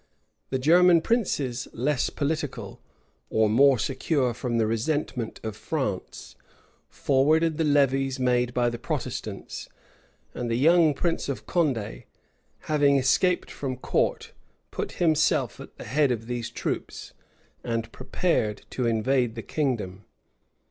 [] The German princes, less political, or more secure from the resentment of France, forwarded the levies made by the Protestants; and the young prince of Condé, having escaped from court, put himself at the head of these troops, and prepared to invade the kingdom.